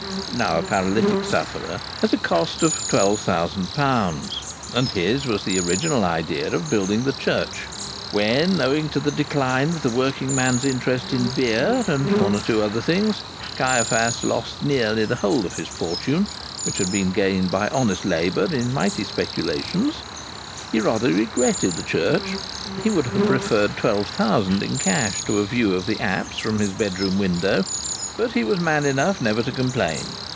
now a paralytic sufferer) at a cost of twelve thousand pounds; and his was the original idea of building the church. When, owing to the decline of the working man's interest in beer, and one or two other things, Caiaphas lost nearly the whole of his fortune, which had been gained by honest labour in mighty speculations, he rather regretted the church; he would have preferred twelve thousand in cash to a view of the apse from his bedroom window; but he was man enough never to complain.